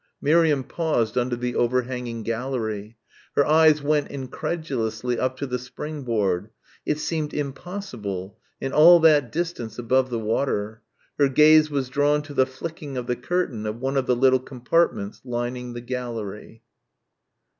Miriam paused under the overhanging gallery. Her eyes went, incredulously, up to the springboard. It seemed impossible ... and all that distance above the water.... Her gaze was drawn to the flicking of the curtain of one of the little compartments lining the gallery.